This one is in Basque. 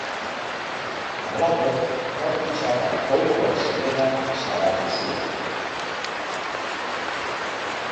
Halaber, tratu txarrak ohikoak zirela salatu zuen.